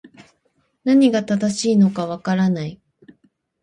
何が正しいのか分からない